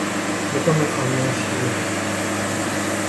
مکمل خاموشی ہے۔